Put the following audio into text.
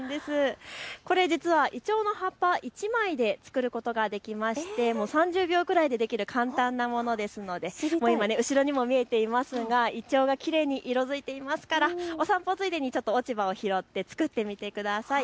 これ実はイチョウの葉っぱ１枚で作ることができまして３０秒くらいでできる簡単なものですので後ろにも見えていますがイチョウがきれいに色づいていますからお散歩ついでに落ち葉を拾って作ってみてください。